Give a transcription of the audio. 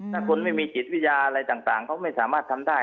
ถ้าคุณไม่มีจิตวิทยาอะไรต่างเขาไม่สามารถทำได้